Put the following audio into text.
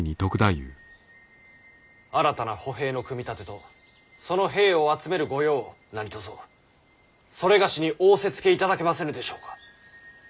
新たな歩兵の組み立てとその兵を集める御用を何とぞ某に仰せつけいただけませぬでしょうか。